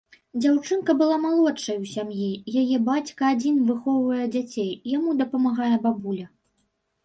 Дзяўчынка была малодшай у сям'і, яе бацька адзін выхоўвае дзяцей, яму дапамагае бабуля.